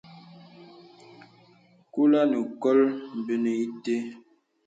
Kūlə̀ nə̀ kol bə̄nē itē.